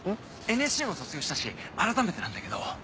ＮＳＣも卒業したし改めてなんだけど。